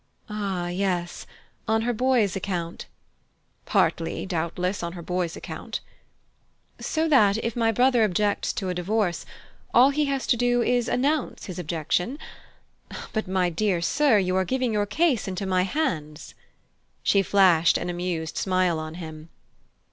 "Ah yes: on her boy's account." "Partly, doubtless, on her boy's account." "So that, if my brother objects to a divorce, all he has to do is to announce his objection? But, my dear sir, you are giving your case into my hands!" She flashed an amused smile on him.